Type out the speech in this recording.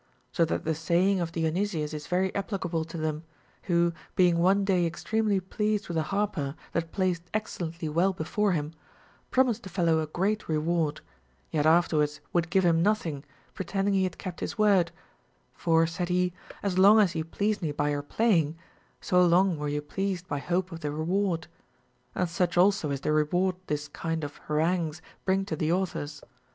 So that the saying of Dionysius is very applicable to them, Λνΐιο, being one day extremely pleased with an harper that played excellently well before him, promised the fellow a great reward, yet afterwards would give him nothing, pretending he had kept his word ; For, said he, as long as you pleased me by your playing, so long were you pleased by hope of the reward. And such also is the reward this kind of harano^ues brins: to the authors.